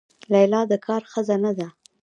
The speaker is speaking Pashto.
لیلا د کار ښځه نه ده.